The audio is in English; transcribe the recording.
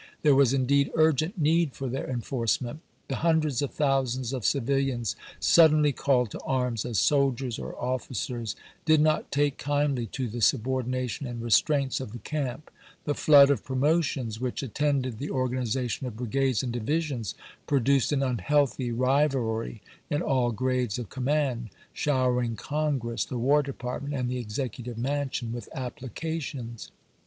There was indeed urgent need for their enforce ment. The hundreds of thousands of civilians suddenly calh.'d to arms as soldiers or officers did not take kindly to the subordination aud restraints of the camp. The flood of promotions which at CAMEEON AJSTD STANTON 141 tended the organization of brigades and divisions chap.viii. produced an unhealthy rivalry in all grades of com mand, showering Congress, the War Department, and the Executive Mansion with applications.